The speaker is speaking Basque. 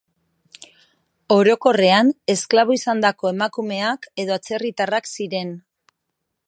Orokorrean, esklabo izandako emakumeak edo atzerritarrak ziren.